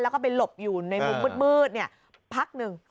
แล้วก็ไปหลบอยู่ในมุมมืดพักหนึ่ง